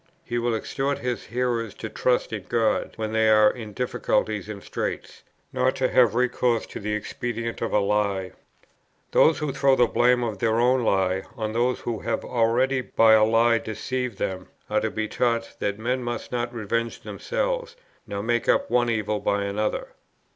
He will exhort his hearers to trust in God, when they are in difficulties and straits, nor to have recourse to the expedient of a lie. "They who throw the blame of their own lie on those who have already by a lie deceived them, are to be taught that men must not revenge themselves, nor make up for one evil by another."